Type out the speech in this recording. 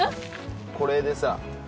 これでさ